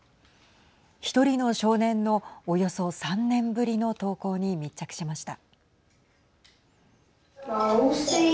１人の少年のおよそ３年ぶりの登校に密着しました。